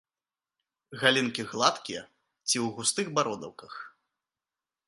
Галінкі гладкія ці ў густых бародаўках.